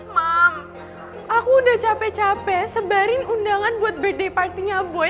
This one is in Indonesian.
mam aku udah capek capek sebarin undangan buat birthday partynya boy